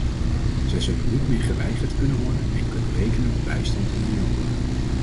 Zij zullen niet meer geweigerd kunnen worden en kunnen rekenen op bijstand indien nodig.